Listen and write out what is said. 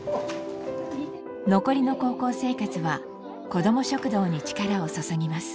残りの高校生活は子ども食堂に力を注ぎます。